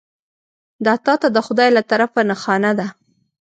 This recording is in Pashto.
دا تا ته د خدای له طرفه نښانه ده .